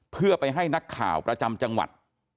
เพื่อไปให้นักข่าวประจำจังหวัด